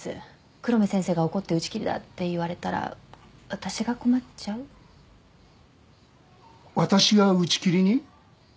黒目先生が怒って「打ち切りだ！」って言われたら私が困っちゃう私が打ち切りに？